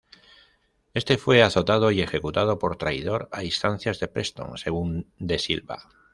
Este fue azotado y ejecutado por traidor a instancias de Preston, según de Silva.